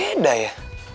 tapi kok beda ya